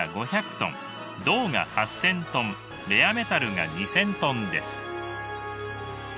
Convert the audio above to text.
銅が８，０００ｔレアメタルが２，０００ｔです。